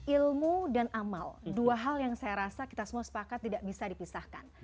ilmu dan amal dua hal yang saya rasa kita semua sepakat tidak bisa dipisahkan